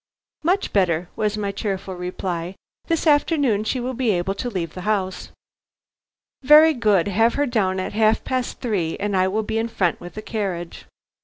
"Much better," was my cheerful reply. "This afternoon she will be able to leave the house." "Very good; have her down at half past three and I will be in front with a carriage."